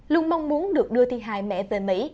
luôn mong muốn được đưa thi hai mẹ về mỹ